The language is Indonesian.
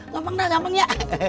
gampang dah gampang ya